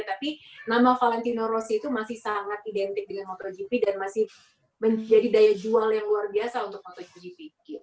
tapi nama valentino rossi itu masih sangat identik dengan motogp dan masih menjadi daya jual yang luar biasa untuk motogp